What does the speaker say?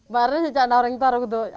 baru sejak orang tua orang kata